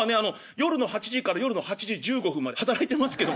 夜の８時から夜の８時１５分まで働いてますけども」